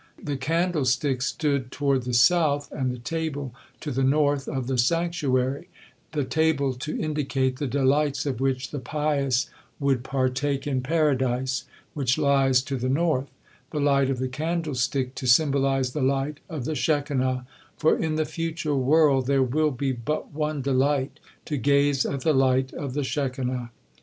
The candlestick stood toward the south, and the table to the north of the sanctuary, the table to indicate the delights of which the pious would partake in Paradise, which lies to the north; the light of the candlestick to symbolize the light of the Shekinah, for in the future world there will be but one delight, to gaze at the light of the Shekinah.